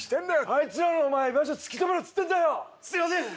あいつらのお前居場所突き止めろっつってんだよ！